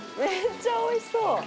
「めっちゃおいしそう」